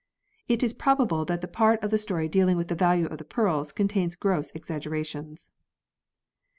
It is probable that the part of the story dealing with the value of the pearls contains gross exaggerations